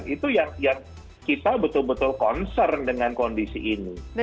itu yang kita betul betul concern dengan kondisi ini